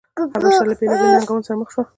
حبشه له بېلابېلو ننګونو سره مخ شوه.